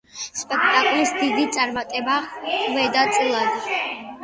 სპექტაკლს დიდი წარმატება ხვდა წილად.